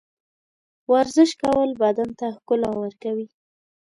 ورزش کول بدن ته ښکلا ورکوي.